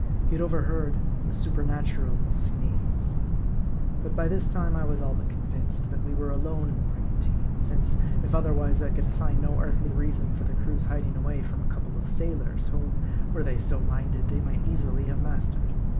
He had overheard a supernatural sneeze. But by this time I was all but convinced, that we were alone in the brigantine. Since, if otherwise, I could assign no earthly reason for the crew's hiding away from a couple of sailors, whom, were they so minded, they might easily have mastered.